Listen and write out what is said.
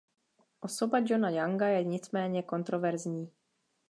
Osoba Johna Younga je nicméně kontroverzní.